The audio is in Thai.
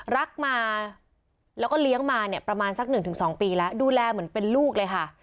รักมาแล้วก็เลี้ยงมาเนี่ยประมาณสัก๑๒ปีแล้วดูแลเหมือนเป็นลูกเลยค่ะ